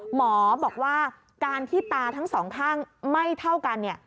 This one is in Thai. หมอบอกว่าการที่ตาทั้งสองข้างไม่เท่ากัน